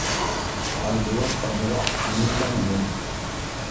Айбулат аҙыраҡ күңелләнде: